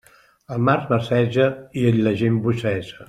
El març marceja i la gent bogeja.